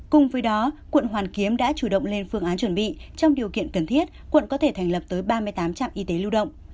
cùng với đó quận hoàn kiếm đã chủ động lên phương án chuẩn bị trong điều kiện cần thiết quận có thể thành lập tới ba mươi tám trạm y tế lưu động